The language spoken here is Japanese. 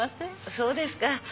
そうですか。